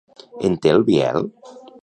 En té el Biel?